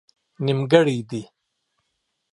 نيمګړئ دي